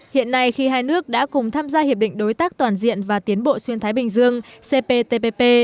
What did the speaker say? hiện nay khi hai nước đã cùng tham gia hiệp định đối tác toàn diện và tiến bộ xuyên thái bình dương cptpp